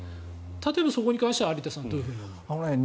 例えば、そこに関しては有田さんどう思いますか？